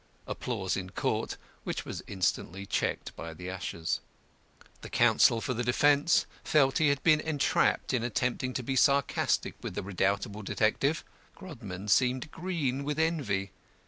(Applause in court, which was instantly checked by the ushers.) The counsel for the defence felt he had been entrapped in attempting to be sarcastic with the redoubtable detective. Grodman seemed green with envy.